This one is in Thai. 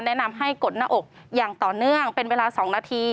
แนะนำให้กดหน้าอกอย่างต่อเนื่องเป็นเวลา๒นาที